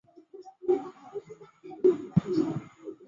这一区域目前被用于行政办公室及档案馆。